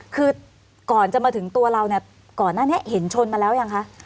คือก่อนจะมาถึงตัวเราเนี่ยก่อนหน้านี้เห็นชนมาแล้วยังคะ